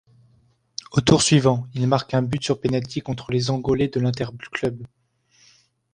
Au tour suivant, il marque un but sur penalty contre les Angolais de l'Interclube.